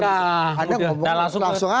nah langsung ke tukumar